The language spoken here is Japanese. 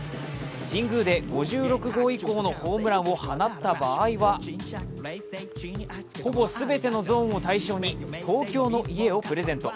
神宮で５６号以降のホームランを放った場合はほぼ全てのゾーンを対象に東京の家をプレゼント。